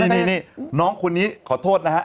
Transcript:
นี่น้องคนนี้ขอโทษนะฮะ